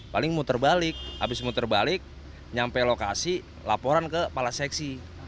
paling muter balik habis muter balik nyampe lokasi laporan ke kepala seksi